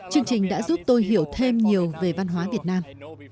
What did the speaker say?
chương trình đã giúp tôi hiểu thêm nhiều về văn hóa việt nam